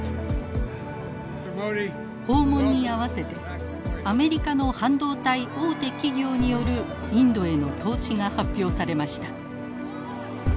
訪問にあわせてアメリカの半導体大手企業によるインドへの投資が発表されました。